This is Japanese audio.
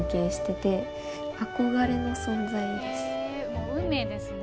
もう運命ですね